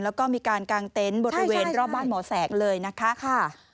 แล้วก็มีการกางเต็นต์บริเวณรอบบ้านหมอแสงเลยนะคะ